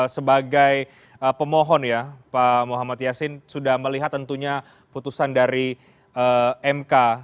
sebagai pemohon ya pak muhammad yasin sudah melihat tentunya putusan dari mk